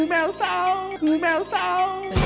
แหม้เศร้า